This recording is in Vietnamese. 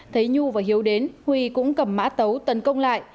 thấy nhu và hiếu đến huy cũng cầm mã tấu tấn công lại